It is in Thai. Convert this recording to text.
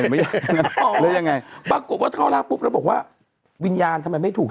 ไม่ได้แล้วยังไงปรากฏว่าเข้าร่างปุ๊บแล้วบอกว่าวิญญาณทำไมไม่ถูก